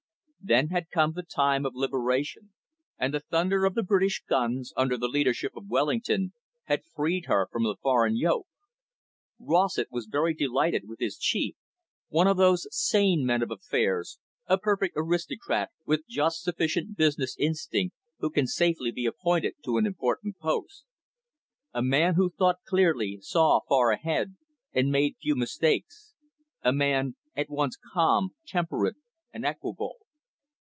Then had come the time of liberation, and the thunder of the British guns, under the leadership of Wellington, had freed her from the foreign yoke. Rossett was very delighted with his chief, one of those sane men of affairs, a perfect aristocrat with just sufficient business instinct, who can safely be appointed to an important post. A man who thought clearly, saw far ahead, and made few mistakes, a man at once calm, temperate, and equable.